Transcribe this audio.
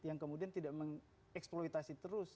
yang kemudian tidak mengeksploitasi terus